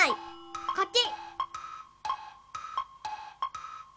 こっち！